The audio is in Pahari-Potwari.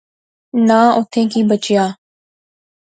ناں اوتھیں کی بچیا